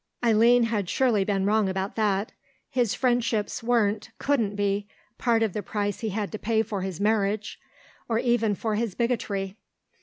Eileen had surely been wrong about that; his friendships weren't, couldn't be, part of the price he had to pay for his marriage, or even for his bigotry.